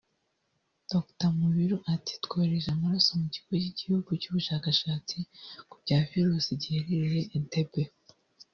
Dr Mubiru ati “Twohereje amaraso mu kigo cy’igihugu cy’ubushakashatsi ku bya Virusi giherereye Entebbe